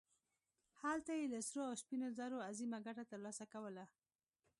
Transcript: هلته یې له سرو او سپینو زرو عظیمه ګټه ترلاسه کوله.